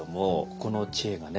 ここの知恵がね